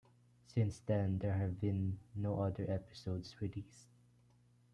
Since then, there have been no other episodes released.